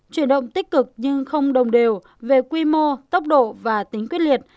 chuyển động tích cực nhưng không đồng đều về quy mô tốc độ và tính quyết liệt